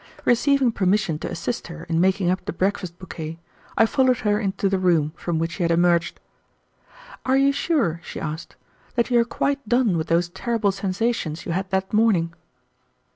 Receiving permission to assist her in making up the breakfast bouquet, I followed her into the room from which she had emerged. "Are you sure," she asked, "that you are quite done with those terrible sensations you had that morning?"